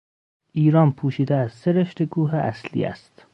ایران پوشیده از سه رشته کوه اصلی است.